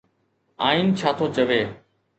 آئين ڇا ٿو چوي؟